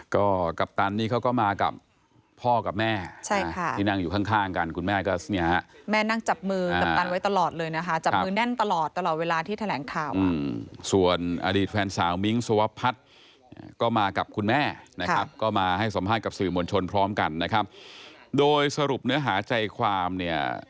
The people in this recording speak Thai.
ก็กัปตันนี่เขาก็มากับพ่อกับแม่ใช่ค่ะที่นั่งอยู่ข้างกันคุณแม่ก็เนี่ยฮะแม่นั่งจับมือกัปตันไว้ตลอดเลยนะคะจับมือแน่นตลอดตลอดเวลาที่แถลงข่าวส่วนอดีตแฟนสาวมิ้งสวพัฒน์ก็มากับคุณแม่นะครับก็มาให้สัมภาษณ์กับสื่อมวลชนพร้อมกันนะครับโดยสรุปเนื้อหาใจความเนี่ย